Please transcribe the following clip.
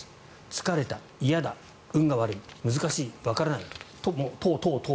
疲れた、嫌だ運が悪い、難しいわからない等々。